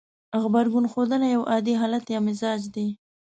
غبرګون ښودنه يو عادتي حالت يا مزاج دی.